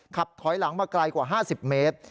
ขับถอยหลังมาไกลกว่า๕๐เมตร